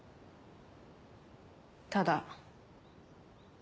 ただ。